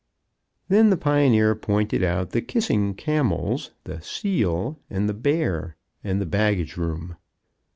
Then the pioneer pointed out the "Kissing Camels," the "Seal" and "Bear," and the "Baggage room."